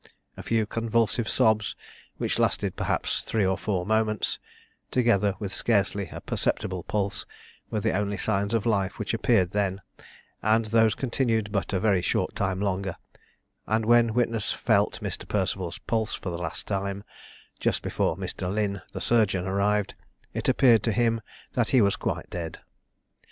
A few convulsive sobs, which lasted perhaps three or four moments, together with scarcely a perceptible pulse, were the only signs of life which appeared then, and those continued but a very short time longer; and when witness felt Mr. Perceval's pulse for the last time, just before Mr. Lynn, the surgeon, arrived, it appeared to him that he was quite dead.